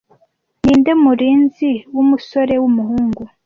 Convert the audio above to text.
Ninde Murinzi Wumusore Wumuhungu